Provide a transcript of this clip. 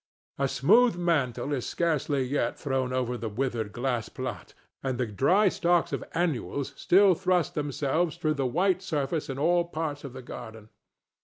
A smooth mantle is scarcely yet thrown over the withered grass plat, and the dry stalks of annuals still thrust themselves through the white surface in all parts of the garden.